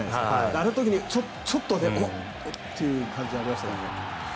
あの時にちょっと、おっていう感じがありましたけど。